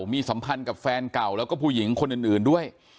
มีสัมพันธ์กับแฟนเก่าแล้วก็ผู้หญิงคนอื่นด้วย